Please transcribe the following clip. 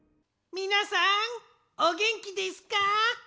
みなさんおげんきですか？